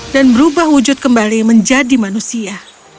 berubah wujud kembali menjadi manusia